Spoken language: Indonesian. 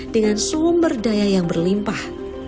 dengan sumber daya yang berlimpah